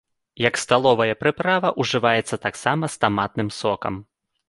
Як сталовая прыправа ўжываецца таксама з таматным сокам.